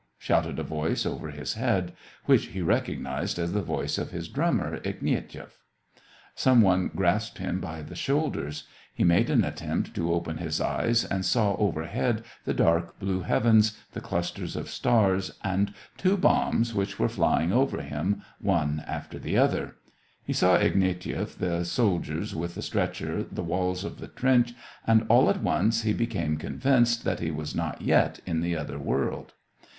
" shouted a voice over his head, which he recognized as the voice of his drummer Ignatieff. Some one grasped him by the shoulders. He made an effort to open his eyes, and saw overhead the dark blue heavens, the clusters of stars, and two bombs, which were flying over him, one after the other ; he saw Ignatieff, the soldiers with the stretcher, the walls of the trench, and all at once he became convinced that he was not yet in the other world.